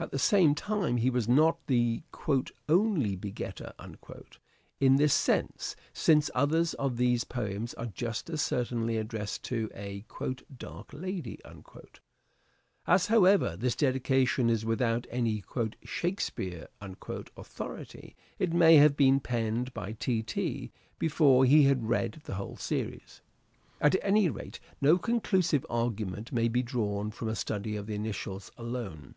At the same time he was not the " only begetter " in this sense, since others of these poems are just as certainly addressed to a " dark lady." As, however, this dedication is without any " Shakespeare " authority it may have been penned by T. T. before he had read the whole series. At any POETIC SELF REVELATION 441 rate, no conclusive argument can be drawn from a study of the initials alone.